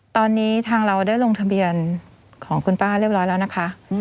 ตอนนี้ทางเราได้ลงทะเบียนของคุณป้าเรียบร้อยแล้วนะคะ